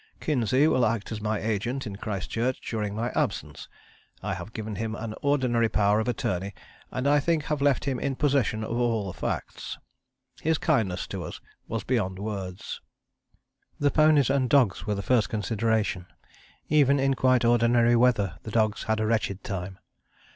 Kinsey will act as my agent in Christchurch during my absence; I have given him an ordinary power of attorney, and I think have left him in possession of all the facts. His kindness to us was beyond words." "Evening. Loom of land and Cape Saunders Light blinking." The ponies and dogs were the first consideration. Even in quite ordinary weather the dogs had a wretched time.